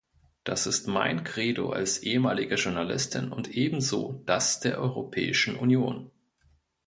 Das ist mein Credo als ehemalige Journalistin und ebenso das der Europäischen Union.